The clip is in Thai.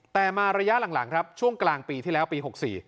แต่มาระยะหลังครับช่วงกลางปีที่แล้วปี๖๔